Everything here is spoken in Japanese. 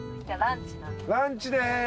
ランチです。